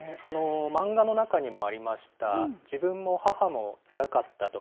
漫画の中にもありました、自分も母もつらかったと。